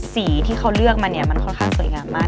สีที่เขาเลือกมาเนี่ยมันค่อนข้างสวยงามมาก